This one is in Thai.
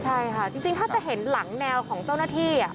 ใช่ค่ะจริงถ้าจะเห็นหลังแนวของเจ้าหน้าที่